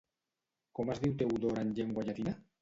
Com es diu Teodor en llengua llatina?